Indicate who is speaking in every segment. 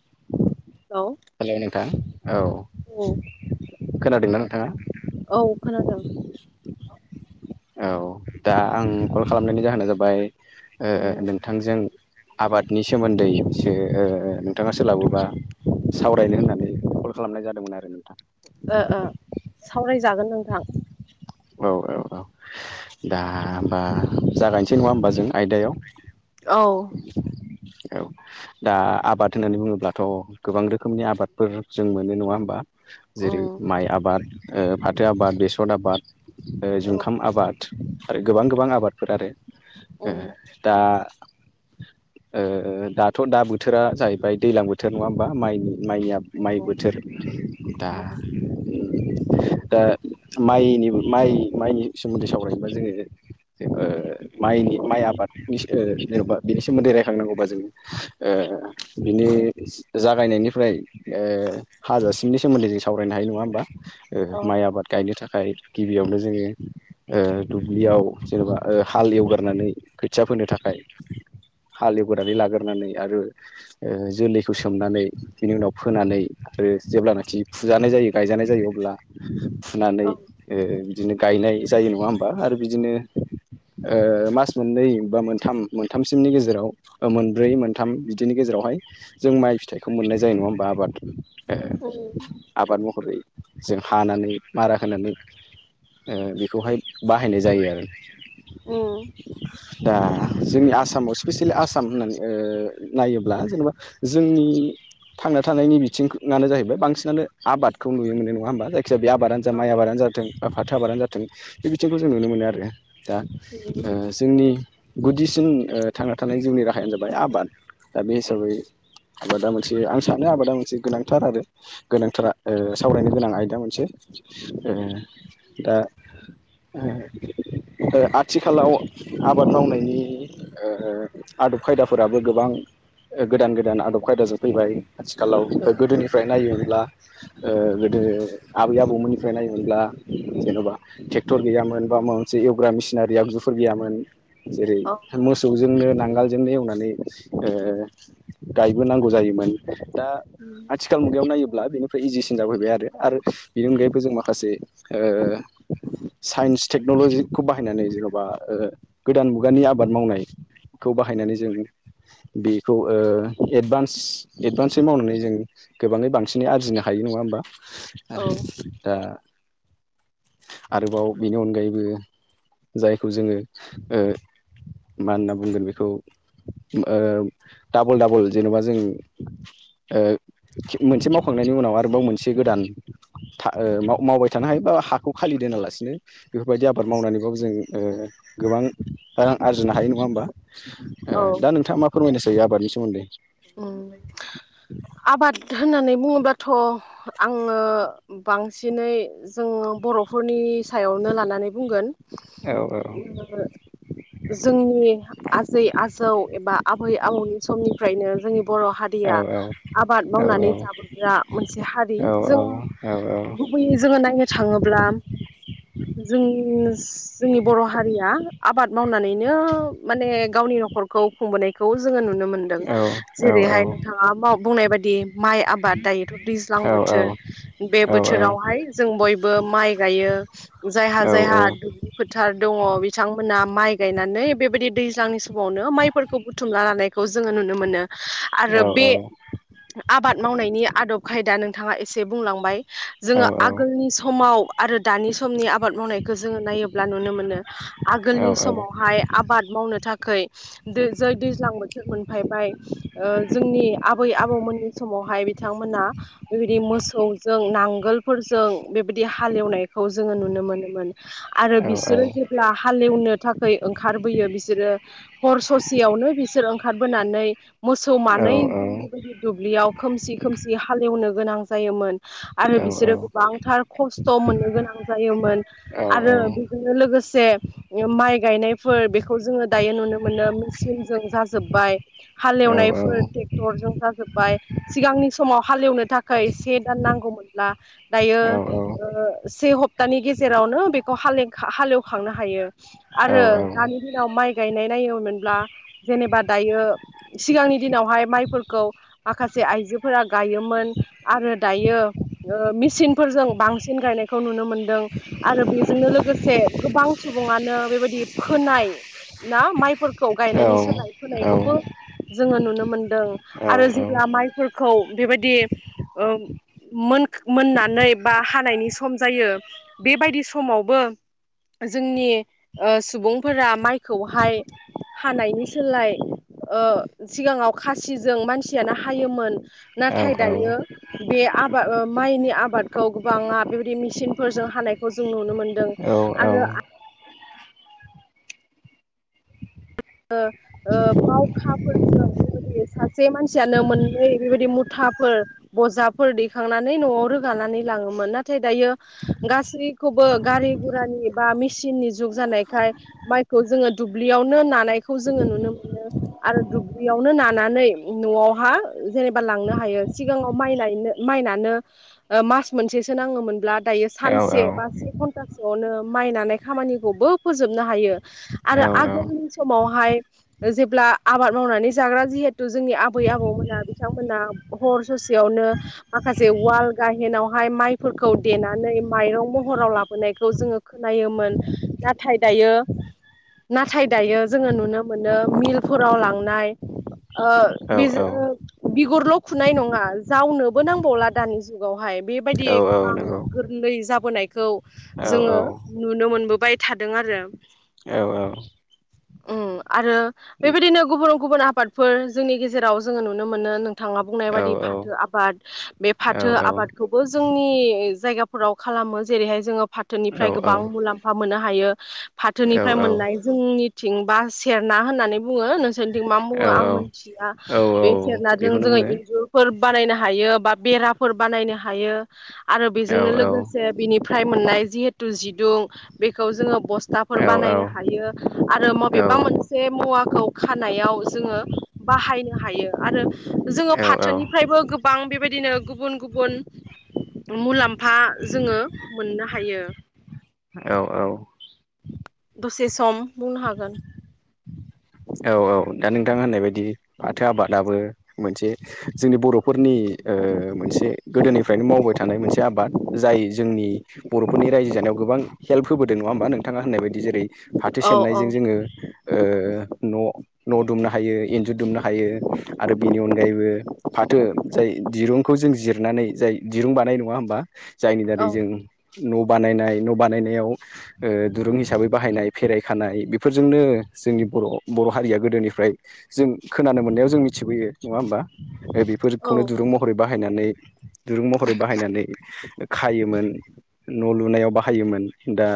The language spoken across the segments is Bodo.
Speaker 1: [inaudible]
Speaker 2: हेलौ
Speaker 1: हेलौ नोंथां औ
Speaker 2: औ
Speaker 1: खोनादोंना नोंथाङा?
Speaker 2: औ खोनादोंं।
Speaker 1: औ दा आं कल खालामनायनि जाहोना जाबाय ओ ओ
Speaker 2: उम
Speaker 1: नोंथांजों आबादनि सोमोन्दैसो ओ ओ नोंथाङा सोलाबोबा सावरायनो होननानै कल खालामनाय जादोंमोन आरो नोंथां।
Speaker 2: ओ ओ सावरायजागोन नोंथां।
Speaker 1: औ औ औ दा होमबा जागायनोसै नङा होमबा जों आयदायाव।
Speaker 2: औ।
Speaker 1: औ दा आबाद होननानै बुङोब्लाथ' गोबां रोखोमनि आबादफोर जों मोनो नङा होमबा
Speaker 2: उम
Speaker 1: जेरै माइ आबाद ओ फाथो आबाद बेसर आबाद। ओ जुंखाम आबाद आरो गोबां गोबां आबादफोर आरो ओ
Speaker 2: उम
Speaker 1: दा ओ दाथ' दा बोथोरा जाहैबाय दैलां बोथोर नङा होमबा माइनि। माइयानियाब माइ
Speaker 2: औ
Speaker 1: बोथोर दा
Speaker 2: औ उम
Speaker 1: दा माइनिबो माइ माइनि सोमोन्दै सावरायनोबब्ला जोङो बेबो माइनि माइ आबादनिसो जेन'बा बेनि सोमोन्दै रायखांनांगौबा जों ओ ओ बिनि जागायनायनिफ्राय ओ हाजासिमनि सोमोन्दै जों सावरायनो हायो नङा होमबा। ओ माइ आबाद गायनो थाखाय गिबियावनो जोङो ओ दुब्लियाव जेनेबा ओ हाल एवगारनानै खोथिया फोनो थाखाय हालेवदानै लागोरोनानै आरो ओ जोलैखौ सोमनानै बिनि उनाव फोनानै ओ जेब्लानोाखि फुजानाय जायो गायजानाय जायो अब्ला फुनानै ओ बिदिनो गायनाय जायो नङा होमबा आरो बिदिनो ओ मास मोननै बा मोनथाम मोनथामसिमनि गेजेराव मोनब्रै मोनथाम बिदिनि गेजेराव बेवहाय जों माइ फिथाइखौ मोननाय जायो नङा होमबा आबाद। ओं आबाद महरै जों हानानै मारा होनानै ओ बेखौहाय बाहायनाय जायो आरो। दा जोंनि आसामाव स्पेसियेलि आसाम होननानै ओ नायोब्ला जेनेबा जोंनि थांना थानायनि बिथिंनो जाहैबाय बांसिनानो आबादखौ नुनो मोन नङा होमबा जाय खि बे आबादानो जा माइ आबादानो जाथो फाथो आबादानो जाथों बे बिथिंखौ जों नुनो मोनो आरो। दा ओ जोंनि गुदिसिन ओ थांना थानाय जिउनि राहायानो जाबाय आबाद। दा बे हिसाबै आबादा मोनसे आं सानो आबादा मोनसे गोनांथार आरो। गोनांथारा ओ सावरायनो गोनां आयदा मोनसे ओ दा ओ ओ आथिखालाव आबाद मावनायनि ओ आदब खायदाफोराबो गोबां ओ गोदान गोदान आदब खायदाजों फैबाय आथिखालाव गोदोनिफ्राय नायोब्ला ओ गोदो ओ आबै आबौमोननिफ्राय नायोमोनब्ला जेन'बा ट्रेक्टर गैयामोन बा माबा मोनसे एवग्रा मेसिनारि आगजुफोर गैयामोन। जेरै
Speaker 2: औ
Speaker 1: मोसौजोंनो नांगोलजोंनो एवनानै ओ गायबोनांगौ जायोमोन दा आथिखाल मुगायाव नायो ब्ला बेनिफ्राय इजिसिन जाफैबाय आरो आरो बिनि अनगायैबो जों माखासे ओ साइन्स टेक्न'लजिखौ बाहायनानै जेन'बा ओ गोदान मुगानि आबाद मावनाय खौ बाहायनानै जों बेखौ ओ एदबान्स एडभान्सै मावनानै जों गोबाङै बांसिनै आरजिनो हा यो नङा होमबा।
Speaker 2: औ
Speaker 1: आरो दा आरोबाव बेनि अनगायैबो जायखौ जोङो ओ मा होनना बुंगोन बेखौ ओ डाबल डाबल जेनेबा जों ओ थिग मोनसे मावख' दैखांनायनि उनाव आरोबाव मोन गोदबाय था मावबाय खिथानो हायो बा हाखौ खालि दोनालासिनो बेफोरबायदि आबाद मावनानैबाबो जों ओ गोबां आ आं आरजिनो हायो नङा होमबा ओ
Speaker 2: औ
Speaker 1: दा नोंथाङा मा फोरमायनोसायो आबादनि सोमोन्दै
Speaker 2: उम आबाद होननानै बुङोबाथ' आङो बांसिनै जों बर'फोरनि बेनि सायावनो लानानै बुंगोन
Speaker 1: औ औ
Speaker 2: जोंनि आजै आजौ एबा आबै आबौनि समनिफ्रायनो जोंनि बर' हादिया
Speaker 1: नंगौ
Speaker 2: आबाद
Speaker 1: औ
Speaker 2: मावनानै जाबोग्रा मोनसे हारि जों
Speaker 1: औ
Speaker 2: गुबैयै जोङो नायनो थाङोब्ला जों जोंङस जोंनि बर' हारिया आबाद मावनानैनो माने गावनि न'खरखौ खुंबोनायखौ जोङो नुनो मोनदों। जेरैहाय नोंथाङा बाव बुंनाय बाददि माइ आबाद दायोथ' दैज्लां बोथोर बे बोथोर बेवावहाय जों बयबो माइ गायो जायहा
Speaker 1: औ
Speaker 2: जायहा दुब्लि फोथार दङ बिथांमोन माइ गायनानै बेबायदि दैज्लांनि समावनो माइफोरखौ बुथुमना लानायखौ जोङो नुनो मोनो। आरो बे आबाद मावनायनि आदब खायदा नोंथाङा एसे बुंलांबाय। जोङो आगोलनि समाव आरो दानि समनि आ आबाद मावनायखौ जोङो नायोब्ला नुनो मोनो आगोलनि समावहाय आबाद मावनो थाखै दै जै दैज्लां बोथोर मोनफैबाय। समावहाय बिथांमोना बेबायदि मोसौजों नांगोलफोरजों बेबायदि हालेवनाय खौ जोङो नुनो मोनोमोन आरो बिसोरो जेब्ला हालेवनो थाखै ओंखारबोयो बिसोरो हर ससेयावनो बिसोर ओंखारबोनानै मोसौ मानै जों बेबायदि दुब्लियाव खोमसि खोमसि हालेवनो गोनां जायोमोन। आरो बिसोरो गोबांथार खस्थ' मोननो गोनां जायोमोन आरो बेजोंनो लोगोसे बियो माइ गायनायफोर बेखौ जोङो दायो नुनो मोनो मेचनजों जाजोब्बाय। हालेवनायफोर ट्रेक्टरजों जाजोबबाय सिगांनि समाव हालेवनो थाखाय से दान नांगौमोनब्ला दायो ओ से हप्तानि गेजेरावनो बेखौ हाले हालेवखांनो हायो। आरो दानि दिनाव माइ गायनाय नायोमोनब्ला जेनेबा दायो सिगांनि दिनावहाय माइफोरखौ माखासे आइजोफोरा गायोमोन आरो दायो ओ मेसिनफोरजों बांसिन गायनायखौ नुनो मोनो। दों आरो बेजोंनो लोगोसे गोबां सुबुङानो बेबायदि फोनाय ना माइफोरखौ गायनायनि सोलाय फोनायखौबो जोङो नुनो मोनदों आरो जेब्ला माइफोरखौ बेबायदि ओ मोनक मोननानै बा हानायनि सम जायो बेबायदि समावबो जोंनि ओ सुबुंफोरा माइखौहाय हानायनि सोलाय ओ सिगाङाव खासिजों मानसियानो हायोमोन नाथाय दायो बे आबा ओ माइनि आबादखौ गोबाङा बेबायदि मेचिनफोरजों हानायखौ जों नुनो मोनदों। आरो
Speaker 1: [inaudible]
Speaker 2: ओ ओ बावखाफोरजों बेबायदि सासे मानसियानो मोननै बेबायदि मुथा फोर बजाफोर दैखांनानै न'आव रोगानानै लाङोमोन नाथाय दायो गासै खौबो गारि गुरानि बा मेसिननि जुग जानायखाय माइखौ जोङो दुब्लियावनो नानाय खौ जोङो नुनो मोनो आरो दुब्लियावनो नानानै न'आवहा जेनेबा लांनो हायो सिगाङाव माइ नायनो माइ नानो ओ मास मोनसेसो नाङोमोनब्ला दायो सानसे बा से घन्टासोआवनो माइनानाय खामानिखौबो फोजोबनो हायो आरो आगोलनि समावहाय जेब्ला आबाद मावनानै जाग्रा जिहेथु जोंनि आबै आबौमोना बिथांमोना हर ससेयावनो माखासे वाल गाहेनावहाय माइफोरखौ देनानै माइरं महराव लाबोनायखौ जोङो खोनायोमोन नाथाय दायो नाथाय दायो जोङो नुनो मोनो मिलफोराव लांनाय ओ बेजोओ बिगुरल' खुनाय नङा जावनोबो नांबावला दानि जुगावहाय बेबायदि गोबां गोरलै जाबोनायखौ जोङो नुनो मोनबोबाय थादों आरो
Speaker 1: औ
Speaker 2: उम आरो बेबायदिनो गुबुन- गुबुन आबादफोर जोंनि गेजेराव जोङो नुनो मोनो नोंथाङा बुंनाय बायदि फाथो आबाद बे
Speaker 1: औ
Speaker 2: फाथो
Speaker 1: औ
Speaker 2: आबादखौबो जोंनि जायगाफोराव खालामो जेरैहाय जोङो
Speaker 1: औ
Speaker 2: फाथोनिफ्राय
Speaker 1: औ
Speaker 2: गोबां मुलाम्फा मोननो हायो फाथोनिफ्राय मोननाय
Speaker 1: औ
Speaker 2: जोंनि थिं बा सेरना होननानै बुङो नोंसोरनिथिं मा बुङो
Speaker 1: औ
Speaker 2: आं मिथिया
Speaker 1: औ औ
Speaker 2: बे सेरनाजों
Speaker 1: बेखौनो
Speaker 2: जोङो
Speaker 1: बुङो
Speaker 2: इन्जुरफोर बानायनो हायो बा बेराफोर बानायनो हायो आरो
Speaker 1: औ
Speaker 2: बेजोंनो
Speaker 1: औ
Speaker 2: लोगोसे बिनिफ्राय मोननाय जिहेथु जिदुं बेखौ जोङो बस्थाफोर
Speaker 1: औ
Speaker 2: बानायनो हायो आरो
Speaker 1: औ
Speaker 2: मबेबा मोनसे मुवाखौ खानायाव जोङो बाहायनो हायो आरो जोङो फाथोनिफ्रायबो गोबां बेबायदिनो गुबुन- गुबुन मुलाम्फा जोङो मोननो हायो
Speaker 1: औ औ
Speaker 2: दसे सम बुंनो हागोन
Speaker 1: औ औ दा नोंथां होननाय बायदि फाथो आबादाबो मोनसे जोंनि बर'फोरनि ओ मोनसे गोदोनिफ्रायनो मावबाय थानाय मोनसे आबाद जाय जोंनि बर'फोरनि रायजो जानायाव गोबां हेल्प होबोदों नङा होमबा नोंथाङा होननाय बायदि जेरै फाथो
Speaker 2: औ औ
Speaker 1: सेरनायजों जोङो ओ न' न' दुमनो हायो इन्जुर दुमनो हायो आरो बेनि अनगायैबो फाथो जाय दिरुंखौ जों जिरनानै जाय दिरुं बानायो नङा होमबा जायनि
Speaker 2: औ
Speaker 1: दारै जों न' बानाय- न' बानाय आव ओ दुरुं हिसाबै बाहायनाय फेरायखानाय बेफोरजोंनो जोंनि बर'- बर' हारिया गोदोनिफ्राय जों खोनानो मोननायाव जों मिथिबोयो नङा होमबा ओ
Speaker 2: औ
Speaker 1: बेफोरखौनो दिरुं महरै बाहायनानै दुरुं महरै बाहायनानै खायोमोन न' लुनायाव बाहायोमोन दा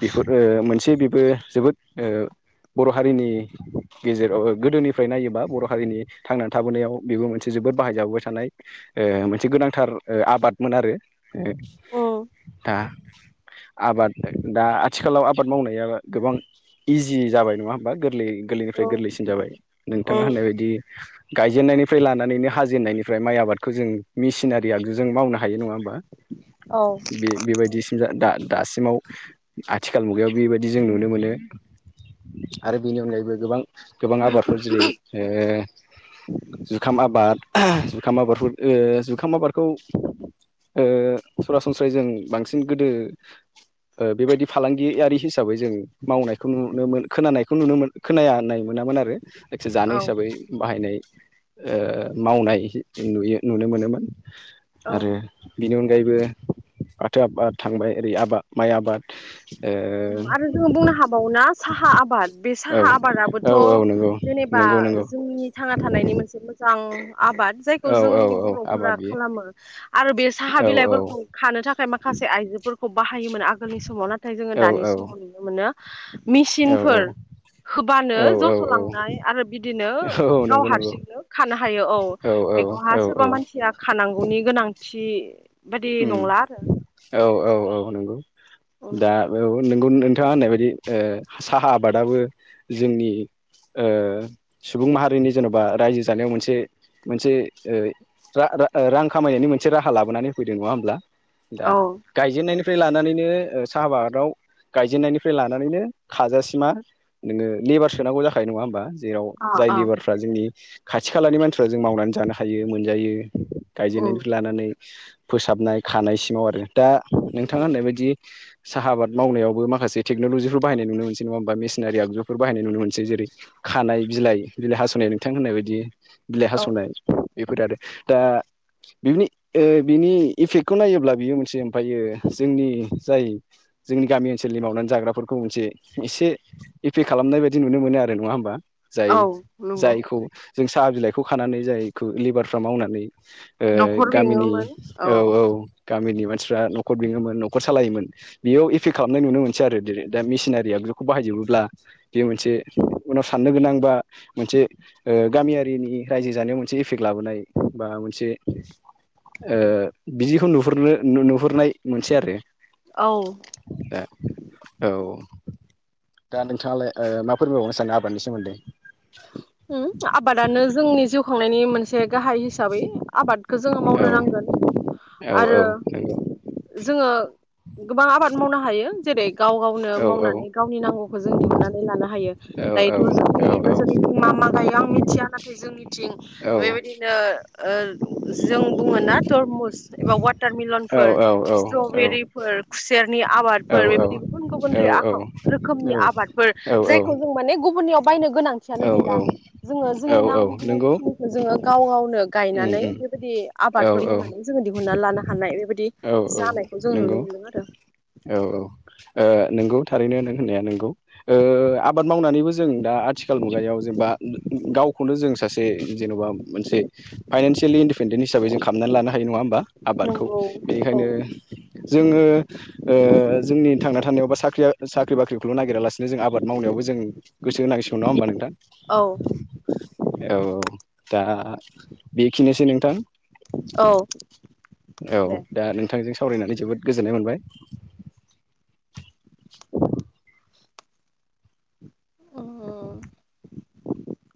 Speaker 1: बेफोर ओ मोनसे बेबो जोबोद ओ बर' हारिनि गेजेराव गोदोनिफ्राय नायोबा बर' हारिनि थांनानै थाबोनायाव बेबो मोनसे जोबोद बाहायजाबोबाय थानाय ओ मोनसे गोनांथार ओ आबादमोन आरो ओ
Speaker 2: उम
Speaker 1: दा [inaudible] आबाद दा आथिखालाव आबाद मावनाया गोबां इजि जाबाय नङा होमबा गोरलै गोरलैनिफ्राय गोरलैसिन जाबाय नोंथाङा होननाय
Speaker 2: उम
Speaker 1: बायदि गायजेननायनिफ्राय लानानैनो हाजेननायनिफ्राय माइ आबादखौ जों मेसिनारि आगजुजों मावना नङा होमबा
Speaker 2: औ
Speaker 1: बे -बेबायदिसिम दा- दासिमाव आथिखाल मुगायाव बेबायदि जों नुनो मोनो आरो बेनि अनगायैबो गोबां- गोबां आबादफोर जेरै ओ जुखाम आबाद जुखाम आबादफोर ओ जुखाम आबादखौ ओ सरासनस्रायै जों बांसिन गोदो ओ बेबायदि फालांगियारि हिसाबै हिसाबै जों मावनायखौ नुनो मोन खोनानायखौ नुनो मोन खोनाया नाय मोनामोन आरो जायखिजाया जानो
Speaker 2: औ
Speaker 1: हिसाबै बाहायनाय ओ
Speaker 2: उम उम
Speaker 1: मावनाय नुयो नुनो मोनोमोन
Speaker 2: औ
Speaker 1: आरो बिनि उनाव अनगायैबो फाथो आबाद थांबाय ओरै आबाद माइ आबाद
Speaker 2: आरो जोङो बुंनो हाबावओ ना साहा आबाद बे साहा
Speaker 1: ओ
Speaker 2: साहा
Speaker 1: औ औ औ
Speaker 2: आबादाबोथ'
Speaker 1: नंगौ
Speaker 2: जेनेबा
Speaker 1: नंगौ नंगौ
Speaker 2: जोंनि थांना थानायनि मोनसे मोजां आबाद जायखौ
Speaker 1: औ औ
Speaker 2: जोंनि
Speaker 1: औ आबाद
Speaker 2: बर'फोरा
Speaker 1: बियो
Speaker 2: खालामो आरो बे साहा
Speaker 1: औ
Speaker 2: बिलाइफोरखौ खानो थाखाय माखासे माखासे आइजोफोरखौ बाहायोमोन आगोलनि समाव नाथाय जोङो
Speaker 1: औ
Speaker 2: दानि समाव नुनो मोनो
Speaker 1: औ औ
Speaker 2: मेसिनफोर होबानो
Speaker 1: औ
Speaker 2: जस'
Speaker 1: औ
Speaker 2: लांनाय आरो बिदिनो
Speaker 1: औ
Speaker 2: गाव
Speaker 1: नंगौ नंगौ
Speaker 2: हारसिंनो खानो हायो औ
Speaker 1: औ
Speaker 2: बेखौहा
Speaker 1: औ औ
Speaker 2: सोरबा मानसिया खानांगौनि गोनांथि बादि
Speaker 1: उम
Speaker 2: नंला आरो
Speaker 1: औ औ औ नंगौ दा बे नोंगौ नोंथाङा होननाय बायदि ओ साहा आबादाबो जोंनि ओ सुबुं माहारिनि जेन'बा रायजो जानायाव मोनसे मोनसे ओ रां खामायनायनि मोनसे राहा लाबोनानै फैदों नङा होमब्ला दा
Speaker 2: औ
Speaker 1: गायजेननायनि फ्राय लानानैनो साहा आबादाव गायजेननायनिफ्राय लानानैनो खाजासिमा नोङो लेबार सोनांगौ जाखायो नङा होमबा? जेराव
Speaker 2: अ
Speaker 1: जाय
Speaker 2: अ
Speaker 1: लेबारफ्रा जोंनि खाथि खालानि मानसिफ्रा जों मावनानै जानो हायो मोनजायो। गायजेननायनिफ्राय लानानै फोसाबनाय खानाय सिमाव आरो दा नोंथाङा होननायबायदि साहा आबाद मावनायावबो माखासे टेगन'लजिफोर बाहायनाय नुनो मोनसै नङा होमबा मेसिनारि आगजुफोर बाहायनाय नुनो मोनसै जेरै खानाय बिलाइ बिलाइ हास'नाय नोंथां होननाय बायदि बिलाइ
Speaker 2: औ
Speaker 1: हास'नाय बेफोरो आरो दा बिनो ओ बिनि इफेक्टखौ नायोब्ला बियो मोनसे ओमफ्रायो जोंनि जाय जोंनि गामि ओनसोलनि मावनानै जाग्राफोरखौ मोनसे एसे एफेक खालामनाय बायदि नुनो मोनो आरो नङा होमबा?
Speaker 2: औ
Speaker 1: जाय
Speaker 2: नंगौ
Speaker 1: जायखौ जों साहा बिलाइखौ खानानै जायखौ लेबारफ्रा मावनानै ओ
Speaker 2: न'खर
Speaker 1: गामिनि
Speaker 2: बेङोमोन
Speaker 1: औ औ गामिनि मानसिफ्रा न'खर बेङोमोन न'खर सालायोमोन बेयाव इफेक्ट खालामनाय नुनो मोनसै आरो दा मिसिनारिया बिखौ बाहायजोबोब्ला बेयो मोनसे उनाव साननो गोनां बा मोनसे गामियारिनि रायजो जानायाव मोनसे एफेक्ट लाबोनाय बा मोनसे ओ बिदिखौ नुहुरनो नुहुरनाय मोनसेै आरो।
Speaker 2: औ
Speaker 1: ए औ दा नोंथाङालाय ओ मा फोरमायबावनो सानो आबादनि सोमोन्दै
Speaker 2: उम आबादानो जोंनि जिउ खुंनायनि मोनस से गाहाय हिसाबै आबादखौ जोङो
Speaker 1: औ
Speaker 2: मावनो नांगोन
Speaker 1: औ
Speaker 2: आरो
Speaker 1: औ नंगौ
Speaker 2: जोङो गोबां आबाद मावनो हायो जेरै गाव गावनो
Speaker 1: औ औ
Speaker 2: मावनानै गावनि नांगौखौ जों दिहुननानै लानो हायो
Speaker 1: औ औ
Speaker 2: दायोथ'
Speaker 1: औ
Speaker 2: जोंनि
Speaker 1: औ
Speaker 2: नोंसोरनिथिं मा मा गायो आं मिथिया नाथाय जोंनिथिं बेबायदिनो ओ जों बुङो ना तरमुस एबा वाटारमेलनफोर स्ट्रबेरिफोर खुसेर नि आबादफोर
Speaker 1: औ
Speaker 2: बेबायदि गुबुन गुबुन
Speaker 1: औ
Speaker 2: रोखोमनि आबादफोर जायखौ जों माने गुबुननियाव बायनो गोनांथियानो गैला जोङो जोंनि
Speaker 1: औ औ नंगौ
Speaker 2: नांगौखिनिखौ जोङो गाव गावनो
Speaker 1: उम
Speaker 2: गायनानै
Speaker 1: उम
Speaker 2: बेबायदि
Speaker 1: औ
Speaker 2: आबादफोर
Speaker 1: औ
Speaker 2: मावनानै जोङो दिहुनना लानो हानाय बेबायदि
Speaker 1: औ औ
Speaker 2: जानायखौ जों नुनो
Speaker 1: नंगौ
Speaker 2: मोनो। मोनदों आरो
Speaker 1: औ औ ओ नंगौ थारैनो नों होननाया नोंगौ ओ आबाद मावनानैबो जों दा आथिखाल मुगायाव जेनेबा गावखौनो जों सासे जेन'बा मोनसे फाइनान्सियेलि इन्दिपेन्डेन्ट हिसाबै जों खालामनानै लानो हायो नङा होमबा आबादखौ
Speaker 2: नंगौ औ
Speaker 1: बेनिखायनो जों जोङो ओ जोंनि थांना थानायावबा साख्रि बाख्रिखौल' नागिरालासिनो जों आबाद मावनायावबो जों गोसो होनांसिगौ। नङा होमबो नोंथां
Speaker 2: औ
Speaker 1: औ औ दा बेखिनिसै नोंथां।
Speaker 2: औ
Speaker 1: औ
Speaker 2: दे
Speaker 1: दा नोंथांजों सावरायनानै जोबोद गोजोननाय मोनबाय। [inaudible]
Speaker 2: अ